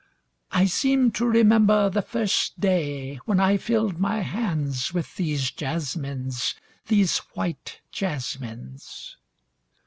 I seem to remember the first day when I filled my hands with these jasmines, these white jasmines.